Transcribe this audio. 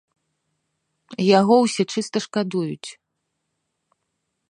Яго ўсе чыста шкадуюць.